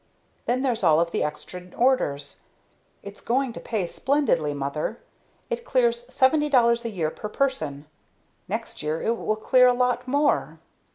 Then there's all of the extra orders. It's going to pay splendidly, mother! It clears $70 a year per person. Next year it will clear a lot more."